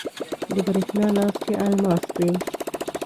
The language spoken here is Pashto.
د بریښنا لاس کې الماس وی